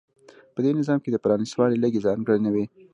په دې نظام کې د پرانېستوالي لږې ځانګړنې وې.